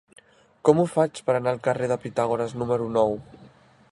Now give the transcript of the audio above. Com ho faig per anar al carrer de Pitàgores número nou?